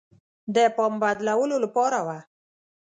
د پام بدلولو لپاره وه.